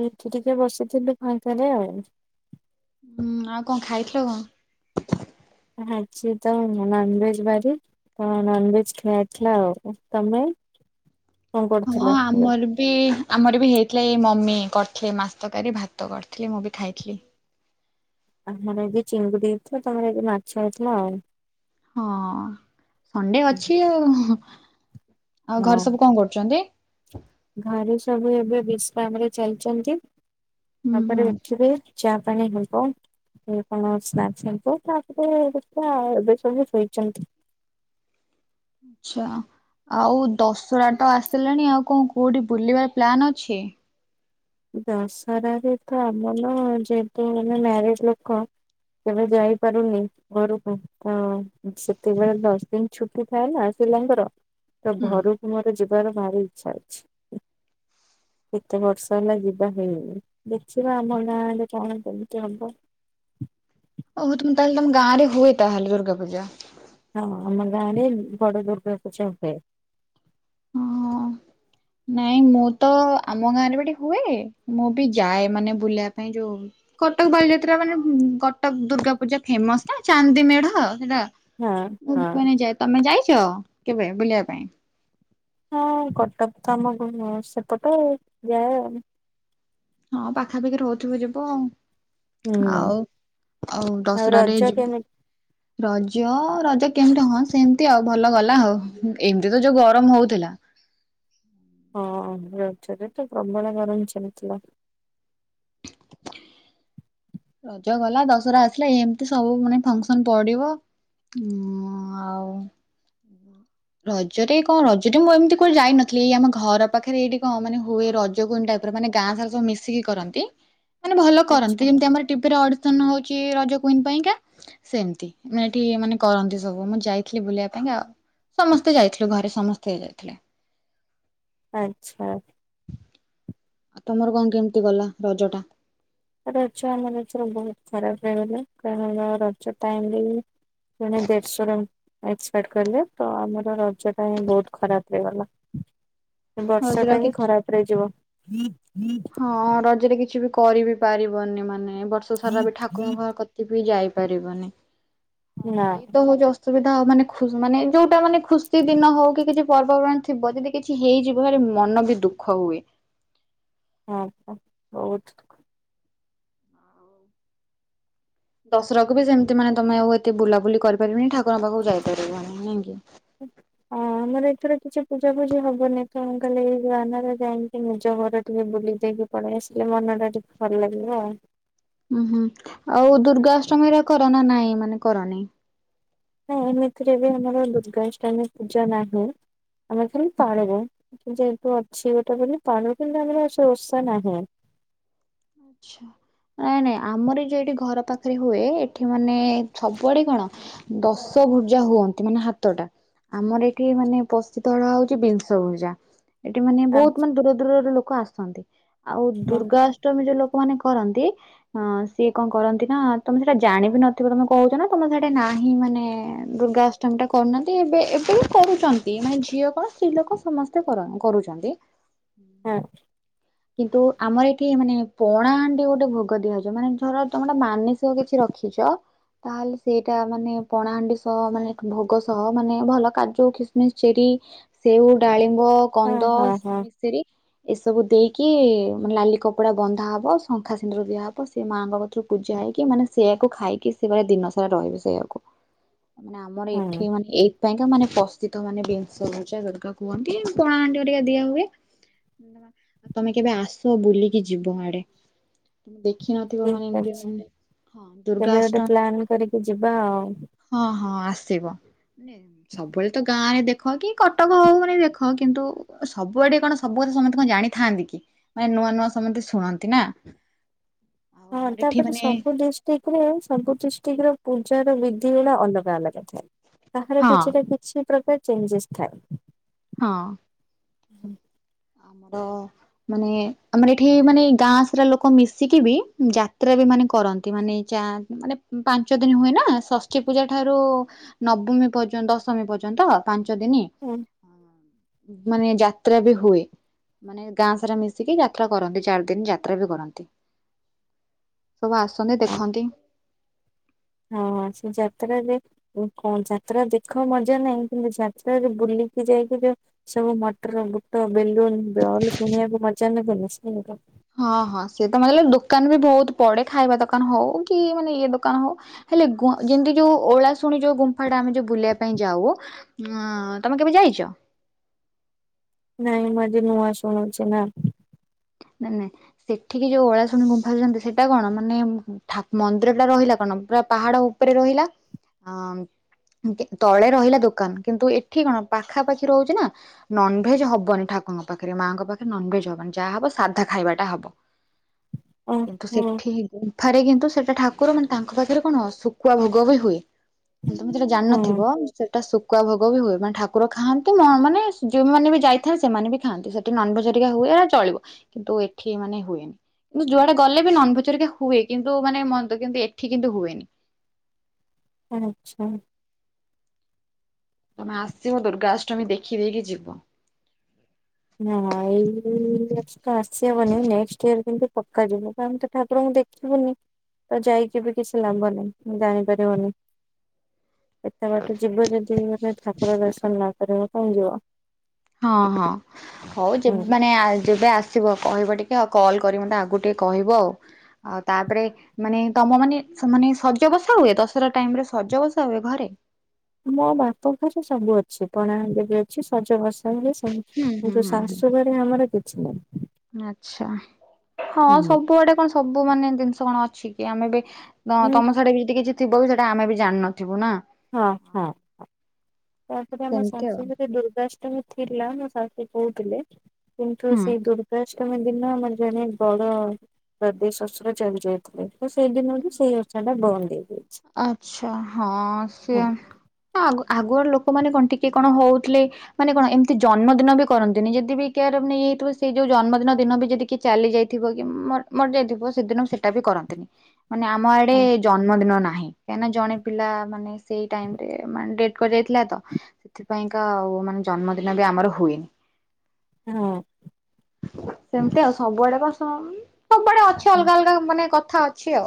ଏଇଠି ଟିିକିଏ ବସିଥିଲି ଫାଙ୍କାରେ ଆଉ ଉୁଁ ଆଉ କଣ ଖାଇଥିଲ କଣ? ଆଜିତ ନନଭେଜ ବାରି। ହଁ ନନଭେଜ ଖିଆ ହେଇଥିଲା ଆଉ ତମେ। କଣ ହଁ କରୁଥିଲ ଏବେ? ଆମରବି। ବି ଆମରବି ହେଇଥିଲା ଏଇ ମମି କରିଥିଲେ ମାଛ ତରକାରୀ ଭାତ କରିଥିଲେ ମୁଁବି ଖାଇଥିଲି। ଆମର ଆଜି ଚିଙ୍ଗୁଡି ଛହେଇଥିଲା ତମର ଆଜି ମାଛ ହେଇଥିଲା ଆଉ। ହଁ ସଣ୍ଡେ ଅଛି ଆଉ ଆଉ ହଁ। ଘରେ ସବୁ କଣ କରୁଚନ୍ତି? ଘରେ ସବୁ ଏବେ ବିଶ୍ରାମରେ ଚାଲିଚନ୍ତି। ହୁଁ ତାପରେ ହୁଁ ଉଠିବି ଚା ପାଣି ହେବ। କଣ [unintelligible] ତାପରେ ଦେଖିଆ ଏବେ ସବୁ ଶୋଇଛନ୍ତି। ଚ୍ଛାଆ। ଆଉ ଦଶହରାତ ଆସିଲାଣି ଆଉ କଣ କଉଠି ବୁଲିବାର ପ୍ଲାନ୍ ଅଛି। ଦଶହରାରେତ ଆମର ଯେହେତୁ ମାନେ ମ୍ୟାରେଜ ଲୋକ କେଭେ ଯାଇପାରୁନି ଘରକୁ। ତ ସେତେବେଳେ ଦଶଦିନ ଛୁଟିଥାଏନା ପିଲାଙ୍କର। ତୋ ହୁଁ ଘରୁକୁ ମୋର ଯିବାର ଭାରି ଇଚ୍ଛା ଅଛି କେତେ ବର୍ଷ? ତାହେଲେ ଯିବା ହେଇନି ଦେଖିବା ଆମ ଗାଁରେ କଣ କେମିତି ହବ। ଓହୋ ତୁମେ ତାହେଲେ ତମ ଗାଁରେ ହୁଏତାହେଲେ ଦୁର୍ଗା ପୂଜା। ହଁ ହଁ ଆମ ଗାଁରେ ବଡ ଦୁର୍ଗାପୂଜା ହୁଏ। ନାଇଁ ମୁଁତ ଆମ ଗାଁରେବି ଟିକେହୁଏ ମୁଁ ବି ଯାଏ ମାନେ ବୁଲିବା ପାଇଁ ଯୋଉ କଟକ ବାଲିଯାତ୍ରା ମାନେ କଟକ ଦୁର୍ଗା ପୂଜା ଫେମସନା ଚାନ୍ଦି ମେଢ ହେଲା। ହଁ ଉ ହଁ। ମାନେ ଯାଇ ତମେ ଯାଇଚ କେବେ ବୁଲିବା ପାଇଁ? ହଁ କଟକତ ଆମ ସେପଟେ ଯାଏ ଆଉ। ହଁ ପାଖାପାଖି ରହୁଥିବେ ଯିବ ଆଉ ଉୁଁ ଆଉ ଆଉ ଦଶହରାରେ ରଜ ଯିବୁ। କେମିତି ରଜ ରଜ କେମିତି ହଁ ସେମିତି ଆଉ ଭଲ ଗଲା ହୋଉ ଏମିତିତ ଯୋଉ ଗରମ ହଉଥିଲା। ହଁ ରଜରେତ ପ୍ରବଳ ଗରମ ଚାଲିଥିଲା। ରଜ ଗଲା ଦଶରା ଆସିଲା ଏମିତି ସବୁ ମାନେ ଫଙ୍କସନ ପଡିବ। ମଁ ଆଉ [inaudible] ରଜରେ କଣ ରଜରେ ମୁଁ ଏମିତି କୁଆଡେ ଯାଇନଥିଲି ଏଇ ଆମ ଘର ପାଖରେ ଏଇଠି କଣ ମାନେ ହୁଏ ରଜ କୁଇନ ଟାଇପ ଏରା ମାନେ ଗାଁ ସାରା ସବୁ ମିଶିକି କରନ୍ତି। [inaudible] ମାନେ ଭଲ ଆଚ୍ଛା କରନ୍ତି ଯେମତି ଆମର ଟିଭିରେ ଅଡିସନ ହଉଚି ରଜ କୁଇନ ପାଇଁକା। ସେମତି ମାନେ ଏଠି ମାନେ କରନ୍ତି ସବୁ ମୁଁ ଯାଇଥିଲି ବୁଲିବା ପାଇଁ ଆଉ ସମସ୍ତେ ଯାଇଥିଲୁ ଘରେ ସମସ୍ତେ ଯାଇଥିଲେ। ଆ ଚ୍ଛା ତମର କଣ କେମିତି ଗଲା ରଜଟା? ରଜ ଆମର ଏଥର ବହୁତ ଖରାପ ହେଇଗଲା କାରଣ ରଜ ଟାଇମରେହିଁ ପୁଣି ଦେଢଶୁର ଏକ୍ସପାର୍ଟ କଲେ ତ ଆମର ରଜ ଟା ହିଁ ବହୁତ ଖରାପ ହେଇଗଲା। ବର୍ଷ ରଜରେ ଟା ଆଉ ହିଁ କିଛି ଖରାପରେ ଯିବ। ହଁ ରଜରେ କିଛି ବି କରିିବି ପାରିବନି ମାନେ ବର୍ଷ ସାରା ବି ଠାକୁରଙ୍କ ଘର ବି ଯାଇପାରିବନି ନା ହଁ ଏଇତ ହଉଛି ଅସୁବିଧା ହଉ ମାନେ ଖୁ ମାନେ ଯୋଉଟା ମାନେ ଖୁସି ଦିନ ହଉ କିଛି ପର୍ବପର୍ବାଣି ଥିବ ଯଦି କିଛି ହେଇଯିବ ହେଲେ ମନ ବି ଦୁଃଖ ହୁଏ। ହଁ ବହୁତ୍। ଦଶରାକୁ ବି ସେମିତି ମାନେ ତମେ ଆଉ ଏତେ ବୁଲାବୁଲି କରିପାରିବନି ଠାକୁଙ୍କ ପାଖକୁ ଯାଇପାରିବ ନାଇଁ କି? ହୁଁ ହଁ ଆମର ଏଥର କିଛି ପୂଜା ଫୂଜି ହବନି ତଣ କାଲି ଏଇ ଗାନରେ ଯାଇକି ନିଜ ଘର ଟିକେ ବୁଲି ଦେଇକି ପଳେଇ ଆସିଲେ ମନ ଟା ଟିକେ ଭଲ ଲାଗିବ ଆଉ। ଉ ହୁଁ ଆଉ ଦୁର୍ଗାଅଷ୍ଟମୀର କର ନା ନାଇଁ ମାନେ କରନି? ନାଇଁ ଏମତିରେ ବି ଆମର ଦୁର୍ଗାଷ୍ଟମୀ ପୂଜା ନାହିଁ। ଆମେ ଖାଲି ପାଳିବୁ ଯେହେତୁ ଅଛି ଗଟେ ବୋଲି [inaudible] ପବ କିନ୍ତୁ ଆମର ଓଷା ନାହି ଆଚ୍ଛା ନାଇଁ ନାଇଁ ଆମର ଯ ଏଠି ଘର ପାଖରେ ହୁଏ ଏଠି ମାନେ ସବୁଆଡେ କଣ ଦଶ ଭୁର୍ଜା ହୁଅନ୍ତି ମାନେ ହାତଟା ଆମର ଏଠି ମାନେ ପ୍ରସିଦ୍ଧ ଅଳା ହଉଛି ବିଂଶଭୂଜା ଏଠି ମାନେ ଆଚ୍ଛା ବହୁତ ମାନେ ଦୂର ଦୂରରୁ ଲୋକ ଆସନ୍ତି ଆଉ ଦୁର୍ଗା ଅଷ୍ଟମୀରେ ଲୋକମାନେ କରନ୍ତି ହଁ ସିଏ କଣ କରନ୍ତି ନା ତମେ ସେଟା ଜାଣିବି ନଥିବ ତମେ କହୁଛ ନା ତମେ ସେଇଟା ନାହିଁ ମାନେ ଦୁର୍ଗା ଅଷ୍ଟମୀ ଟା କରୁନାହାନ୍ତି ଏବେ ଏବେ ବି କରୁଛନ୍ତି ମାନେ ଝିଅ କଣ ସ୍ତ୍ରୀ ଲୋକ ସମସ୍ତେ କରୁଛନ୍ତି ହଁ କିନ୍ତୁ ଆମର ଏଠି ମାନେ ପଣାହାଣ୍ଡି ଗୋଟେ ଭୋଗ ଦିଆହେଉଛି ମାନେ ଧର ତମେ ଗୋଟେ ମାନିସ କ କିଛି ରଖିଛ ତାହେଲେ ସେଇଟା ମାନେ ପଣାହାଣ୍ଡି ସହ ମାନେ ଭୋଗ ସହ ମାନେ ଭଲ କାଜୁ ଖିସମିସ ଚେରି ସେଉ ଡାଳିମ୍ବ ହଁ କନ୍ଦ ହଁ ହଁ ମିଶ୍ରି ଏସବୁ ଦେଇକି କି ମାନେ ଲାଲି କପଡ଼ା ବନ୍ଧା ହବ ଶଙ୍ଖା ସିନ୍ଦୁର ଦିଆହେବ ସେ ମାଆଙ୍କ କଥରୁ ପୂଜା ହେଇକି ମାନେ ସେଇଆକୁ ଖାଇକି ସେ ପୁରା ଦିନ ସାରା ରହିବେ ସେଇଆକୁ [inaudible] ମାନେ ଆମର ହଁ ଏଠି ମାନେ ଏ ପାଇଁକା ମାନେ ପ୍ରସ୍ଥତ ମାନେ ବିଂଶପୂଜା ଦୁର୍ଗା କୁହନ୍ତି ପଣା ହାଣ୍ଡି ହେରିକା ଦିଆ ହୁଏ ମବା [inaudible] ଆଉ ତମେ କେବେ ଆସ ବୁଲିକି ଯିବ ଆଡେ ଦେ ଦେଖି ନଥିବ ମାନେ ଠିକ୍ ଏମତି ଅଛି। ହଁ କେବେ ଗୋଟେ ଦୁର୍ଗାଷ୍ଟମୀ ପ୍ଲାନ୍ କରିକି ଯିବା ଆଉ। ହଁ ହଁ ଆସିବ। ସବୁବେଳେ ତ ଗାଁ ରେ ଦେଖ କି କଟକ ହଉନ ଦେଖ କିନ୍ତୁ ସବୁଆଡେ କଣ ସବୁ କଥା ସମସ୍ତେ କଣ ଜାଣି ଥାଆନ୍ତି କି? ମାନେ ନୂଆ ନୂଆ ସମସ୍ତେ ଶୁଣନ୍ତି ନା ଆଉ ହଁ ଆମର ଏଠି ତାପରେ ମାନେ ସବୁ ଜ କରେ ସବୁ ଡିଷ୍ଟ୍ରିକ୍ଟ ର ପୂଜାର ବିଧି ଗୁଡା ଅଲଗା ଅଲଗା ଥାଏ କାହାର ହଁ କିଛିଟା କିଛି ପ୍ରକାର ଚେଞ୍ଜେସ୍ ଥାଏ। ହଁ ଆମର ମାନେ ଆମର ଏଠି ମାନେ ଗାଁ ସାରା ଲୋକ ମିଶିକି ବି ଯାତ୍ରା ବି ମାନେ କରନ୍ତି ମାନେ ଚା ମାନେ ପାଞ୍ଚ ଦିନି ହୁଏ ନା ଷଷ୍ଠୀ ପୂଜା ଠାରୁ ନବମୀ ପର୍ଯ୍ୟନ୍ତ ଦଶମୀ ପର୍ଯ୍ୟନ୍ତ ପାଞ୍ଚ ଦିନି। ହୁଁ। ମାନେ ଯାତ୍ରା ବି ହୁଏ। ମାନେ ଗାଁ ସାରା ମିଶିକି ଯାତ୍ରା କରନ୍ତି ଚାରି ଦିନି ଯାତ୍ରା ବି କରନ୍ତି। ସବୁ ଆସନ୍ତି ହଁ ଦେଖନ୍ତି। ହଁ ସେ ଯାତ୍ରାରେ କଣ ଯାତ୍ରା ଦେଖ ମଜା ନାହିଁ କିନ୍ତୁ ଯାତ୍ରାରେ ବୁଲିକି ଯାଇକି ଯୋଉ ସବୁ ମଟର ବୁଟ ବେଲୁନ୍ ବଲ୍ କିଣିବାକୁ ମଜା ଲାଗେନି ସେ ହଁ ହଁ ସେଏ ତ ମାନେ ଦୋକାନ ବି ବହୁତ୍ ପଡେ଼ ଖାଇବା ଦୋକାନ ହଉ କି ମାନେ ଇଏ ଦୋକାନ ହଉ। ହେଲେ ଯେମିତି ଯୋଉ ଓଳା ଶୁଣି ଯୋଉ ଗୁମ୍ଫା ଟା ଆମେ ଯୋଉ ବୁଲିବା ପାଇଁ ଯାଉ ହଁ ତମେ କେବେ ଯାଇଛ? ନାଇଁ ମୁଁ ଆଜି ନୂଆ ଶୁଣୁଛି ନା ନେନେ ସେଠିକି ଯୋଉ ଓଳା ଶୁଣି ଗୁମ୍ଫାରୁଛନ୍ତି ସେଇଟା କଣ ମାନେ ମନ୍ଦିର ଟା ରହିଲା କଣ ପୁରା ପାହାଡ଼ ଉ ଉପରେ ରହିଲା ଅଁ ତଳେ ରହିଲା ଦୋକାନ୍ କିନ୍ତୁ ଏଠି କଣ ପାଖାପାଖି ରହୁଛି ନା ନନ୍ଭେଜ ହବନି ଠାକୁଙ୍କ ପାଖରେ ମାଆଙ୍କ ପାଖରେ ନନଭେଜ ହବନି ଯାହା ହବ ସାଧା ଖାଇବାଟା ହବ କିନ୍ତୁ ଓହୋ ସେଠି ଫାରେ କିନ୍ତୁ ସେଟା ଠାକୁର ମାନେ ତାଙ୍କ ପାଖରେ କଣ ଶୁଖୁଆ ଭୋଗ ବି ହୁଏ। ତମେ ସେଇଟା ହଁ ଜାଣିନଥିବ। ସେଟା ଶୁଖୁଆ ଭୋଗ ବି ହୁଏ ମାନେ ଠାକୁର ଖାଆନ୍ତି ମାନେ ଯୋଉମାନେ ବି ଯାଇଥାନ୍ତି ସେମାନେ ବି ଖାଆନ୍ତି ସେ ଏଠ ନନ୍ଭେଜ୍ ହେରିକା ହୁଏ ଚଳିବ କିନ୍ତୁ ଏଠି ମାନେ ହୁଏନି। କିନ୍ତ ଯୁଆଡେ଼ ଗଲେ ବି ନନ୍ଭରିକା ହୁଏ କିନ୍ତୁ ମାନେ ମନ୍ଦି କିନ୍ତୁ ଏଠି କିନ୍ତୁ ହୁଏନି। ଆଚ୍ଛା। ତମେ ଆସିବ ଦୁର୍ଗାଷ୍ଟମୀ ଦେଖିଦେଇକି ଯିବ। ହଁ ଏଇ ବର୍ଷ ତ ଆସିହବନି ନେକ୍ସଟ ଇୟର କେମତି ପକ୍କା ଯିବି କଣ ତ ଠାରଙ୍କୁ ଦେଖ୍ ବୁନି ତ ଯାଇକି ବି କିଛି ଲାମ୍ବ ନାହିଁ ମୁଁ ଜାଣିପାରିବୁନି। ଏତେ ବାଟ ଯିବ ଯଦି ମାନେ ଠାକୁର ଦର୍ଶନ ନ କରିବ କଣ ଯିବ। ହଁ ହଁ ହଉ ହୁଁ। ମାନେ ଯେ- ଯେବେ ଆସ କହିବ ଟିକେଉ କଲ୍ କରି ମତେ ଆଗକୁ ଟିକେ କହିବ ଆଉ ଆଉ ତାପରେ ମାନେ ତମ ମାନେ ମାନେ ଶଜ ବସା ହୁଏ ଦଶହରା ଟାଇମ ରେ ଶଜ ବସା ହୁଏ ଘରେ ମୋ ବାପା ଘର ସବୁ ଅଛି ପଣା ଯବେ ଅଛି ସଜବାସ ହୁଁ ହୁଁ କିନ୍ତୁ ହୁଁ ଶାଶୁଘରେ ଆମର କିଛି ନାହିଁ। ଆଚ୍ଛା ହଁ ହୁଁ। ସବୁଆଡେ କଣ ସବୁ ମାନେ ଜିନିଷ କଣ ଅଛି କି ଆମେ ଏ ତ ହଁ ତମ ସାଇଡା ବି ଯଦି କିଛି ଥିବ ବି ସେଇଟା ଆମେ ବି ଜାଣିନଥିବୁ ନା ହଁ ହଁ ତାପରେ ଆମ ସେମିତି ଆଉ ସଂସ୍କୃତିରେ ଦୁର୍ଗା ଥିଲା ମୋ ଶାଶୁ କହୁଥିଲେ କିନ୍ତୁ ହୁଁ। ସେଇ ଦୁର୍ଗା ଅଷ୍ଟମୀ ଦିନ ମାନେ ଜଣେ ବଡ଼ ପଦେଶୁର ଚାଲି ଯାଇଥିଲେ। ତ ସେଇଦିନରୁ ସେଇ ଓଷା ଟା ବନ୍ଦ୍ ହେଇଯାଇଛି। ଆଛା ହଁ ସେ ହଁ ଆ-ଆଗୁଆଡ ଲୋକମାନୋନ କଣ ଟିକେ କଣ ହଉଥିଲେ। ମାନେ କଣ ଏମିତି ଜନ୍ମଦିନ ବି କରନ୍ତିନି ଯଦି ବି କେୟାର ନେଇଯଇଥିବ ସେଇ ଯୋଉ ଜନ୍ମଦିନ ଦିନ ବି ଯଦି କି ଚାଲି ଯାଇଥିବ କି ମରିଯାଇଥିବ ସେଦିନ ସେଇଟା ବି କରନ୍ତିନି। ମାନେ ଆମ ଆଡେ ହଁ ଜନ୍ମଦିନ ନାହିଁ କାହିଁକିନା ଜଣେ ପିଲା ମାନେ ସେଇ ଟାଇମ୍ ରେ ମାନେଡ୍ କରାଯାଇଥିଲା ତ ସେଥିପାଇଁକା ଆଉ ମାନେ ଜନ୍ମଦିନ ବି ଆମର ହୁଏ ହଁ ସେମିତି ଆଉ ସବୁଆଡେ କ ସବୁଆଡେ ଅଛି ଅଲଗା ଅଲଗା ମାନେ କଥା ଅ ଛିଅ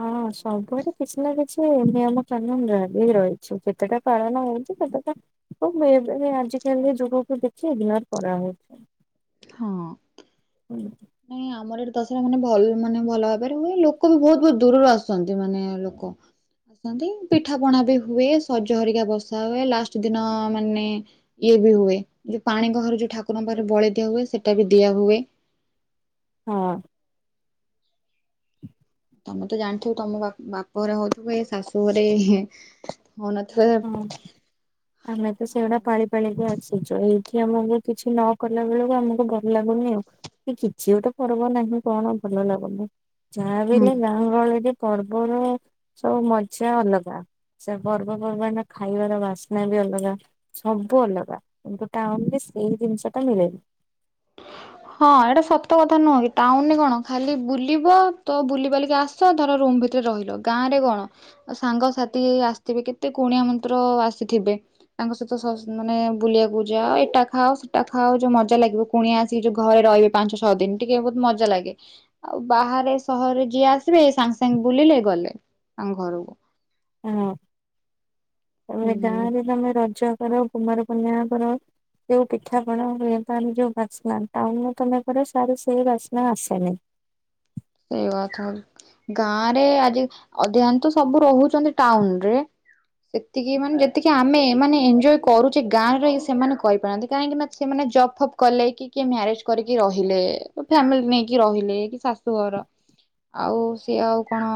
ହଁ ସବୁଆଡେ କିଛି ନା କିଛି ନିୟମ କାନୁନ ଲାଗି ରହିଛି କେତେଟା ପାଳନ ହଉଛି କେତେଟା ଖୁବ ବ ଆଜିିକାଲି ଯୁଗକୁ ଦେଖି ଇଗନୋର୍ କରା ହେଉଛି ହଁ ହୁଁ ନାଇଁ ଆମର ଏଠି ଦଶହରା ମାନେ ଭଲ ମାନେ ଭଲ ଭାବରେ ହୁଏ ଲୋକ ବି ବହୁତ ବହୁତ୍ ଦୂରରୁ ଆସୁଛନ୍ତି ମାନେ ଲୋକ ଆନ୍ତି ପିଠା ପଣା ବି ହୁଏ ସଜ ହରିକା ବସା ହୁଏ ଲାଷ୍ଟ ଦିନ ମାନେ ଇଏ ବି ହୁଏ ଯୋଉ ପାଣି ଗହର ଯୋଉ ଠାକୁରଙ୍କ ପାଖରେ ବଳି ଦିଆ ହୁଏ ସେଟା ବି ଦିଆ ହୁଏ। ହଁ ତମେ ତ ଜାଣିଥିବ ତମ ବାପ ଘରେ ହଉଥିବ ଏ ଶାଶୁ ଘରେ ହଉନଥିବ ହଁ ଆମେ ତ ସେଇଗୁଡା ଆଉ ପାଳି ପାଳିକି ଅସିଛୁ ଏଇଠି ଆମକୁ କିଛି ନ କଲା ବେଳକୁ ଆମକୁ ଭଲ ଲାଗୁନି ଆଉ କିଛି ଗୋଟେ ପର୍ବ ନାହିଁ କଣ ଭଲ ଲାଗୁନି ଯାହା ବି ହେଲେ ହୁଁ। ଗାଁ ଗହଳିରେ ପର୍ବର ସବୁ ମଜା ଅଲଗା ସେ ପର୍ବ ପର୍ବପର୍ବାଣିର ଖାଇବାର ବାସ୍ନା ବି ଅଲଗା ସବୁ ଅଲଗା କିନ୍ତୁ ଟାଉନ ରେ ସେଇ ଜିନିଷ ଟା ମିଳେନି ହ ହଁ ଏଇଟା ସତ କଥା ନୁହଁ କି ତାଉନ କଣ ଖାଲି ବୁଲିବ ତ ବୁଲି ବାଲିକି ଆସ ସ ଧର ରୁମ୍ ଭିତରେ ରହିଲ ଗାଁ ରେ କଣ ସାଙ୍ଗସାଥି ଆସିଥିବେ କେତେ କୁଣିଆ ମନ୍ତ୍ର ଆସିଥିବେ। ତାଙ୍କ ସହିତ ସ ମାନେ ବୁଲିବାକୁ ଯାଅ ଏଟା ଖାଅ ସେଟା ଖାଅ ଯୋ ମଜା ଲାଗିବ। କୁଣିଆ ଆସି ଯୋଉ ଘରେ ରହିବେ ପାଞ୍ଚ ଛଅ ଦିନ ଟିକେ ବହୁତ ମଜା ଲାଗେ। ଆଉ ବାହାରେ ସହରରେ ଯିଏ ଆସିବେ ସାଙ୍ଗେ ସାଙ୍ଗେ ବୁଲିଲେ ଗଲେ ତାଙ୍କ ଘରକୁ। ହଁ ତା ହେଲେ ଗାଁ ହୁଁ ରେ ତମେ ରଜ କର କୁମାର ପୂର୍ଣ୍ଣିମା କର। ଯୋଉ ପିଠାପଣା ହୁଏ ଯୋଉ ବାସ୍ନା ଟାଉନରେ ତମେ କର ସାର୍ ସେଇ ବାସ୍ନା ଆସେନି। ସେଇ କଥା ଗାଁ ରେ ଆଜି ଅଧିକାଂଶ ତ ସବୁ ରହୁଛନ୍ତି ଟାଉନ ରେ। ସେତିକି ମାନେ ଯେତିକି ଆମେ ମାନେ ଏଞ୍ଜୟ କରୁଛେ ଗାଁ ରେ ରହିକି ସେମାନେ କହିପାରନ୍ତି କାହିଁକି ନା। ସେମାନେ ଜପ୍ ଫପ୍ କଲେ କି କିଏ ମ୍ୟାରେଜ କରିକି ରହିଲେ ଫ୍ୟାମିଲି ନେଇକି ରହିଲେ କି ଶା ତୋର। ଆଉ ସିଏ ଆଉ କଣ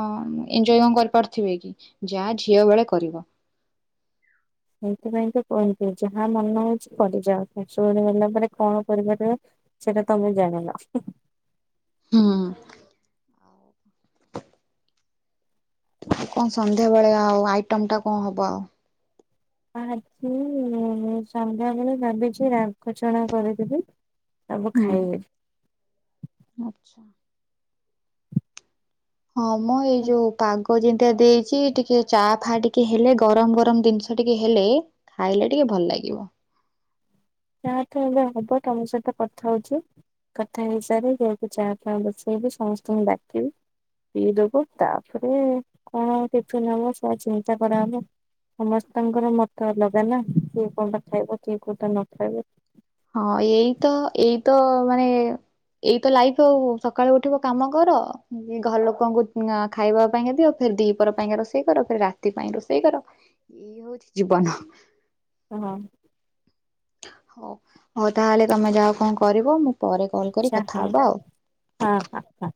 ଏଞ୍ଜୟ କଣ କରିପାରୁଥିବେ କି ଯାହା ଝିଅ ବେଳେ କରିବ। ସେଇଥିପାଇଁ ତ କୁହନ୍ତି ଯାହା ମନେ ହଉଛି କରିଯାଅ ଶୁଣିଗଲା ପରେ କଣ କରିପାରିବା। ସେଟା ତମେଁ ଜାଣିଲ। ହଁ। କଣ ସନ୍ଧ୍ୟାବେଳେ ଆଉ ଆଇଟମ ଟା କଣ ହବ ଆଉ। ଆଜି ସନ୍ଧ୍ୟାବେଳେ ଭାବିଛି ରାଘଛଣା କରିଦେବି। ସବୁ ଖାଇବେ। ଆଚ୍ଛା। ହଁ ମୋ ଏଇ ଯୋଉ ପାଗ। ପାଗ ଜେମିତିଆ ଦେଇଛି ଟିକେ ଚା ଫା ଟିକେ ହେଲେ ଗରମ ଗରମ ଜିନିଷ ଟିକେ ହେଲେ। ଖାଇଲେ ଟିକେ ଭଲ ଲାଗିବ। ଯାହା ତ ଏବେ ହବ ତମ ସହିତ କଥା ହଉଚି। କଥା ହେଇସାରେ ଯାଇକି ଚା ଫା ବସେଇବି ସମସ୍ତଙ୍କୁ ଡାକିବି। ପିଇଦବୁ, ତାପରେ କଣ ଟିଫିନ୍ ହବ ସେ ଚିନ୍ତା କରାହବ। ସମସ୍ତଙ୍କର ମତ ଅଲଗା ନା, କିଏ କଉଟା ଖାଇବ କିଏ କୋଉଟା ନ ଖାଇବେ। ହଁ, ଏଇ ତ ଏଇ ତ ମାନେ। ଏଇ ତ ଲାଇଫ ଆଉ, ସକାଳୁ ଉଠିବ କାମ କର, ଘର ଲୋକଙ୍କୁ ଖାଇବା ପାଇଁକି ଦିଅ। ଫେରେ ଦି ପର ପାଇଁକା ରୋଷେଇ କର, ଫେରେ ରାତି ପାଇଁ ରୋଷେଇ କର। ହଁ। ଏଇ ହଉଚି ଜୀବନ। ହଁ। ହଉ, ହଉ ତାହେଲେ ତମେ ଯାଅ କଣ କରିବ ମୁଁ। ପରେ କଲ୍ କରି ଆଚ୍ଛା କଥା ହଉ, ହବା ଆଉ। ହଁ ହଁ ହଁ।